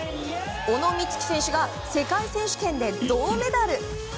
小野光希選手が世界選手権で銅メダル！